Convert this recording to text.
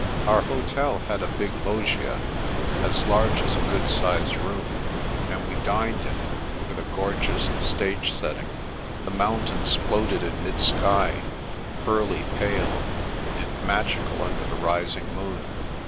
Our hotel had a big loggia, as large as a good sized room, and we dined in it, wilii a gorgeous stage setting. The mountains floated in mid sky, pearly pale, and magical under the rising moon.